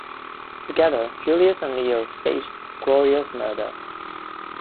Together Julius and Leo staged Gloria's murder.